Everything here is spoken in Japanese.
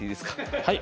はい。